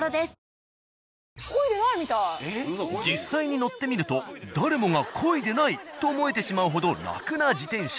実際に乗ってみると誰もが漕いでない！と思えてしまうほど楽な自転車。